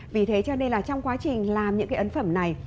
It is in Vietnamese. vì thế cho nên là trong quá trình làm những cái ấn phẩm này